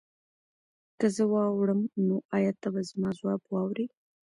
که زه واوړم نو ایا ته به زما ځواب واورې؟